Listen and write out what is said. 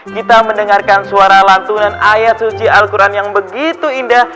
kita mendengarkan suara lantunan ayat suci al quran yang begitu indah